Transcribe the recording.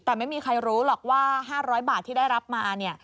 แต่ไม่มีใครรู้หรอกว่า๕๐๐บาทที่ได้รับมาเนี่ย